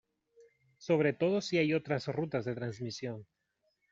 Sobre todo si hay otras rutas de transmisión.